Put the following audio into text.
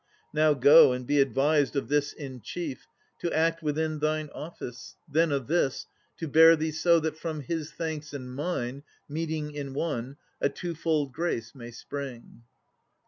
Now go, and be advised, of this in chief, To act within thine office; then of this, To bear thee so, that from his thanks and mine Meeting in one, a twofold grace may spring.